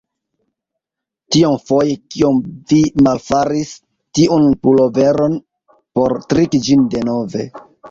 Tiomfoje kiom vi malfaris tiun puloveron por triki ĝin denove.